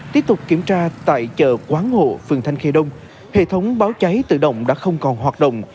tiếp tục kiểm tra tại chợ quán hộ phường thanh khê đông hệ thống báo cháy tự động đã không còn hoạt động